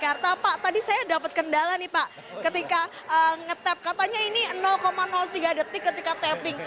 jakarta pak tadi saya dapat kendala nih pak ketika nge tap katanya ini tiga detik ketika tapping